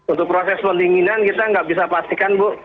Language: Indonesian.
untuk proses pendinginan kita nggak bisa pastikan bu